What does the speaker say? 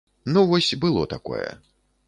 Ну вось было такое.